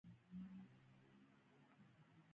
_وړه موضوع وه، خبرې يې غوښتې. ټوپک ته حاجت نه و.